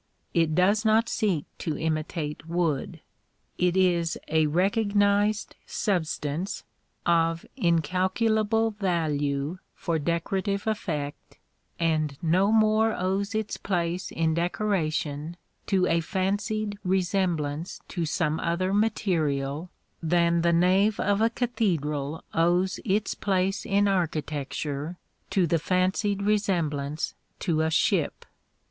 It does not seek to imitate wood. It is a recognized substance, of incalculable value for decorative effect, and no more owes its place in decoration to a fancied resemblance to some other material than the nave of a cathedral owes its place in architecture to the fancied resemblance to a ship.